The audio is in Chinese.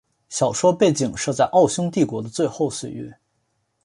小说背景设在奥匈帝国的最后岁月。